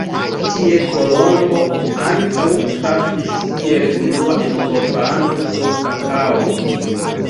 Tie Kolombo ankaŭ trafis kiel unua eŭropano sur kakao.